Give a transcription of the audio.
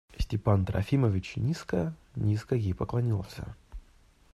Степан Трофимович низко, низко ей поклонился.